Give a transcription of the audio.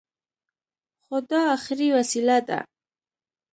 خو دا اخري وسيله ده.